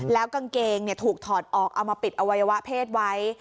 แล้วกางเกงถูกถอดออกเอามาปิดอวัยวะเพศไว้